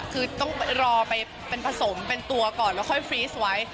คือต้องรอไปเป็นผสมเป็นตัวก่อนแล้วค่อยฟรีสไว้